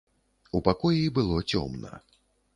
У пакоі было цёмна.